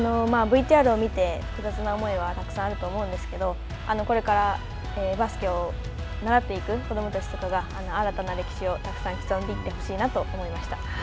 ＶＴＲを見て複雑な思いはたくさんあると思うんですけどこれからバスケを習っていく子どもたちとかが新たな歴史をたくさん刻んでいってほしいなと思いました。